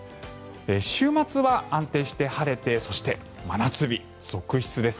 週末は安定して晴れてそして真夏日続出です。